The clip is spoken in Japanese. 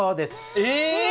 え！